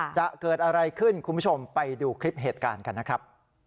จะเกิดอะไรขึ้นคุณผู้ชมไปดูคลิปเหตุการณ์กันนะครับ